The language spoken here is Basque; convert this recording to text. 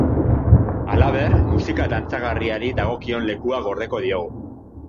Halaber, musika dantzagarriari dagokion lekua gordeko diogu.